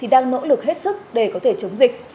đang nỗ lực hết sức để có thể chống dịch